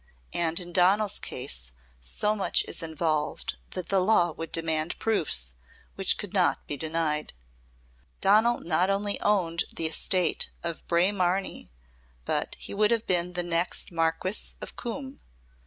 And in Donal's case so much is involved that the law would demand proofs which could not be denied. Donal not only owned the estate of Braemarnie, but he would have been the next Marquis of Coombe.